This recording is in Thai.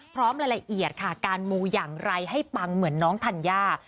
รายละเอียดค่ะการมูอย่างไรให้ปังเหมือนน้องธัญญา